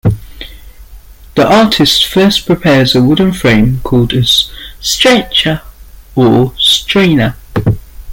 The artist first prepares a wooden frame called a "stretcher" or "strainer".